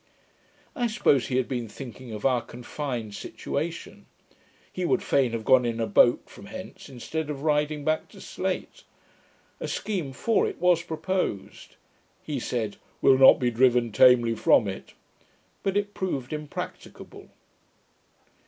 "' I suppose he had been thinking of our confined situation. He would fain have gone in a boat from hence, instead of riding back to Slate. A scheme for it was proposed. He said, 'We'll not be driven tamely from it': but it proved impracticable.